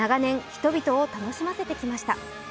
人々を楽しませてきました。